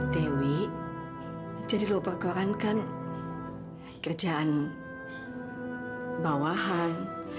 dewi jadi lupa koran kan kerjaan bawahan